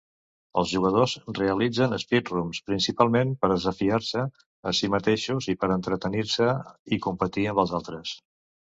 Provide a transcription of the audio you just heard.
Els jugadors realitzen "speedruns" principalment per a desafiar-se a si mateixos i per a entretenir-se i competir amb els altres.